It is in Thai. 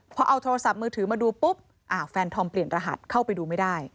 พอเอาโทรศัพท์มือถือมาดูปุ๊บแฟนธอมเปลี่ยนรหัสเข้าไปดูไม่ได้